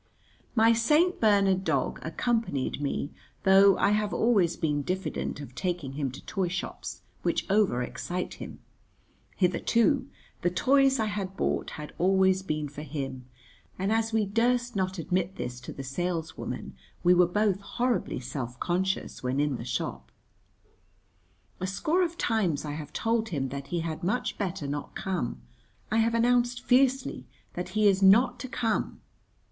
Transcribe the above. My St. Bernard dog accompanied me, though I have always been diffident of taking him to toy shops, which over excite him. Hitherto the toys I had bought had always been for him, and as we durst not admit this to the saleswoman we were both horribly self conscious when in the shop. A score of times I have told him that he had much better not come, I have announced fiercely that he is not to come.